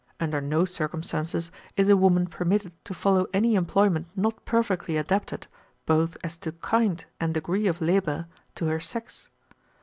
Under no circumstances is a woman permitted to follow any employment not perfectly adapted, both as to kind and degree of labor, to her sex.